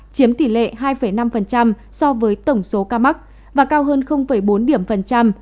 chiếm tỷ lệ hai năm so với tổng số ca mắc và cao hơn bốn điểm phần trăm